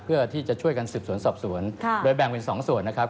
เพื่อที่จะช่วยกันสืบสวนสอบสวนโดยแบ่งเป็น๒ส่วนนะครับ